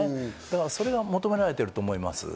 それが求められていると思います。